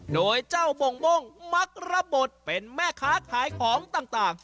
โดยเจ้าบ่งมักรับบทเป็นแม่ค้าขายของต่าง